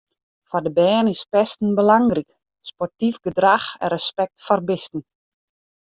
Foar de bern is pesten belangryk, sportyf gedrach en respekt foar bisten.